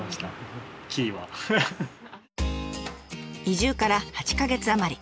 移住から８か月余り。